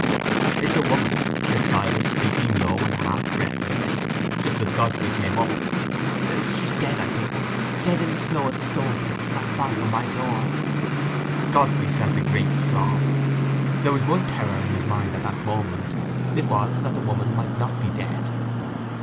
"It's a woman," said Silas, speaking low, and half breathlessly, just as Godfrey came up. "She's dead, I think—dead in the snow at the Stone pits—not far from my door." Godfrey felt a great throb: there was one terror in his mind at that moment: it was, that the woman might not be dead.